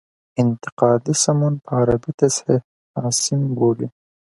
انتقادي سمون په عربي تصحیح حاسم بولي.